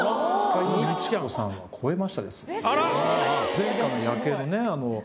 前回の夜景のね